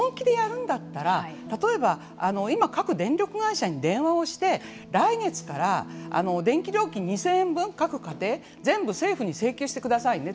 本気でやるんだったら例えば、今各電力会社に電話をして来月から電気料金２０００円分各家庭全部政府に請求してくださいね。